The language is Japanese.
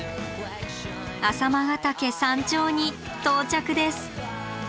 朝熊ヶ岳山頂に到着です。